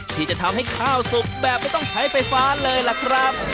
ที่จะทำให้ข้าวสุกแบบไม่ต้องใช้ไฟฟ้าเลยล่ะครับ